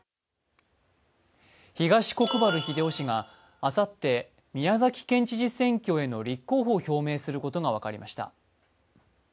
東国原英夫氏があさって宮崎県知事選挙への立候補を表明することが分かりました。